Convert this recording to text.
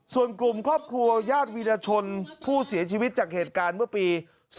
ส่วนกลุ่มครอบครัวญาติวีรชนผู้เสียชีวิตจากเหตุการณ์เมื่อปี๒๕๖